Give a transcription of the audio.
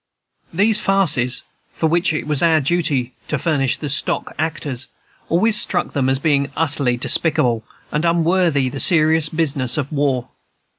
These farces, for which it was our duty to furnish the stock actors, always struck them as being utterly despicable, and unworthy the serious business of war.